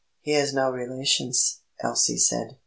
"He has no relations," Elsie said.